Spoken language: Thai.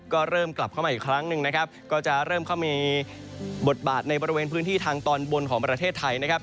ก็เริ่มกลับเข้ามาอีกครั้งหนึ่งนะครับก็จะเริ่มเข้ามีบทบาทในบริเวณพื้นที่ทางตอนบนของประเทศไทยนะครับ